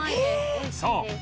そう！